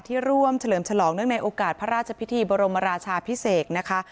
ร่วมเฉลิมฉลองเนื่องในโอกาสพระราชพิธีบรมราชาพิเศษนะคะ